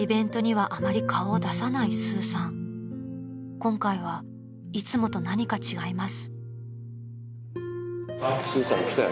［今回はいつもと何か違います］